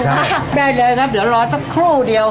ได้เลยนะเดี๋ยวรอเป็นครู่เดียว